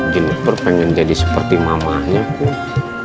jineper pengen jadi seperti mamahnya kum